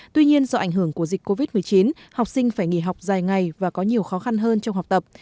tuy nhiên do ảnh hưởng của dịch covid một mươi chín học sinh phải nghỉ học dài ngày và có nhiều khó khăn hơn trong học tập